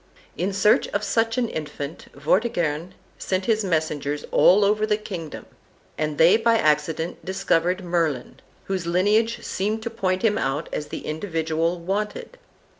In search of such an infant, Vortigern sent his messengers all over the kingdom, and they by accident discovered Merlin, whose lineage seemed to point him out as the individual wanted.